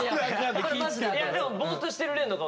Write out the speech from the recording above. いやでもボーッとしてる廉の顔